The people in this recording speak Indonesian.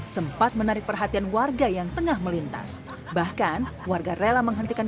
sempat menarik perhatian warga yang tengah melintas bahkan warga rela menghentikan